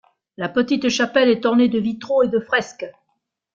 La petite chapelle est ornée de vitraux et de fresques.